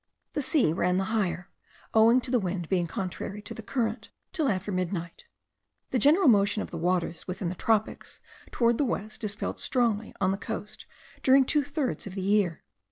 The sea ran the higher, owing to the wind being contrary to the current, till after midnight. The general motion of the waters within the tropics towards the west is felt strongly on the coast during two thirds of the year.